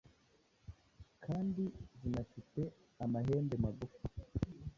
kandi zinafite amahembe magufi.